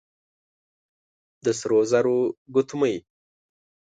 د سرو زرو ګوتمۍ،